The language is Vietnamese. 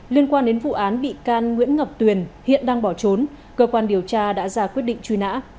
liên quan đến vụ án bị can nguyễn ngọc tuyền hiện đang bỏ trốn cơ quan điều tra đã ra quyết định truy nã